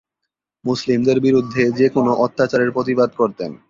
মুসলিমদের বিরুদ্ধে যেকোন অত্যাচারের প্রতিবাদ করতেন।